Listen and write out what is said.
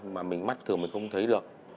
mà mình mắt thường mình không thấy được